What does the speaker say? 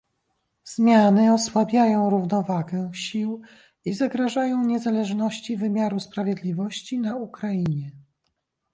Zmiany osłabiają równowagę sił i zagrażają niezależności wymiaru sprawiedliwości na Ukrainie